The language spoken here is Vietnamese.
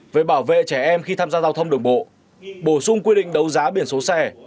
về bảo vệ trẻ em khi tham gia giao thông đường bộ bổ sung quy định đấu giá biển số xe